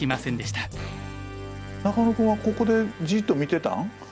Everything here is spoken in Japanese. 中野君はここでじっと見てたん？